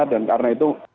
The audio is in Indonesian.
dan karena itu